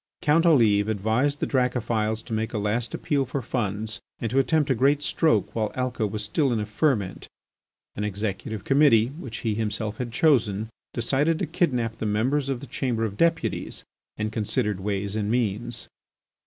Count Olive advised the Dracophils to make a last appeal for funds and to attempt a great stroke while Alca was still in a ferment. An executive committee, which he himself had chosen, decided to kidnap the members of the Chamber of Deputies, and considered ways and means.